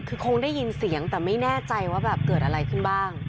คือคงได้ยินเสียงแต่ไม่แน่ใจว่าแบบเกิดอะไรขึ้นบ้าง